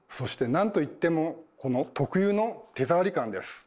なんといってもこの特有の手触り感です。